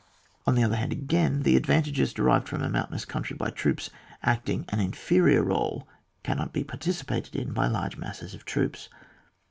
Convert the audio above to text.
On the other hand again, the advantages derived from a moimtainous country by troops acting an inferior r61e cannot be participated in by large masses of troops.